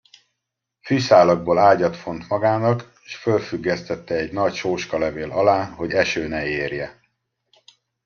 Fűszálakból ágyat font magának, s fölfüggesztette egy nagy sóskalevél alá, hogy eső ne érje.